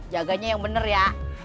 jagainnya yang bener ya